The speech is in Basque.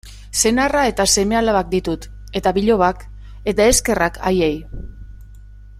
Senarra eta seme-alabak ditut, eta bilobak, eta eskerrak haiei.